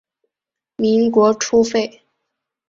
民国初废。